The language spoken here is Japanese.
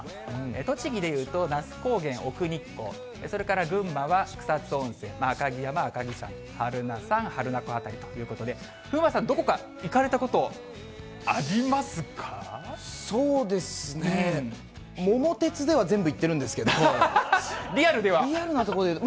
栃木でいうと那須高原、奥日光、それから群馬は草津温泉、赤城山、赤城山、榛名山、榛名湖辺りということで、風磨さん、そうですね、桃鉄では全部行ってるんですけど、リアルでは？